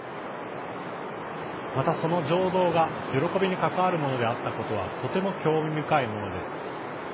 またその情動が喜びに関わるものであったことはとても興味深いものです。